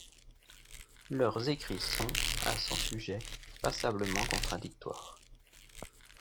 Leurs écrits sont, à son sujet, passablement contradictoires.